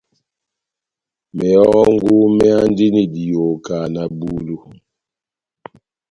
Mehɔngu méhandini diyoho kahá na bulu.